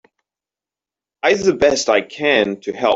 I do the best I can to help.